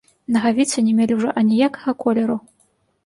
Нагавіцы не мелі ўжо аніякага колеру.